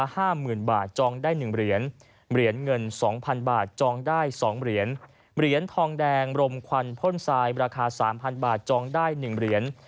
เหรียญเงิน๒๐๐๐บาทจองได้๒เหรียญเหรียญทองแดงรมควันพ่นทรายราคา๓๐๐๐บาทจองได้๑เหรียญ